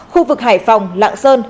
khu vực hải phòng lạng sơn